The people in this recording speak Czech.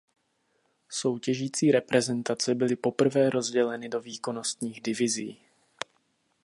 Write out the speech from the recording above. Soutěžící reprezentace byly poprvé rozděleny do výkonnostních divizí.